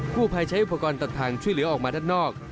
ผู้ภัยใช้อุปกรณ์ตัดทางช่วยเหลือออกมาด้านนอก